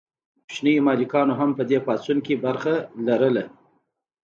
کوچنیو مالکانو هم په دې پاڅون کې برخه لرله.